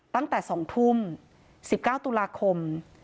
ตั้งแต่๒ทุ่ม๑๙ตุลาคม